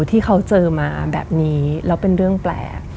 ที่เขาเจอมาแบบนี้แล้วเป็นเรื่องแปลก